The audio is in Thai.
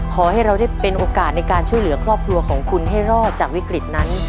ขอให้เราได้เป็นโอกาสในการช่วยเหลือครอบครัวของคุณให้รอดจากวิกฤตนั้น